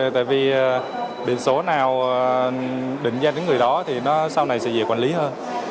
tại vì biển số nào định danh đến người đó thì nó sau này sẽ dễ quản lý hơn